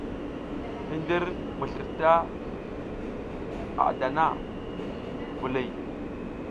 Hindir mi slirta a dana, viliy.